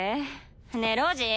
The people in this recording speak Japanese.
ねえロウジ。